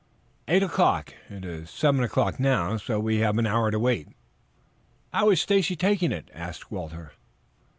"Eight o'clock. It is seven o'clock now, so we have an hour to wait." "How is Stacy taking it?" asked Walter.